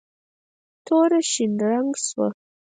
توره شین رنګ شوه.